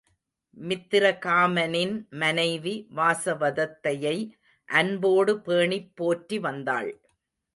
மித்திரகாமனின் மனைவி வாசவதத்தையை அன்போடு பேணிப் போற்றி வந்தாள்.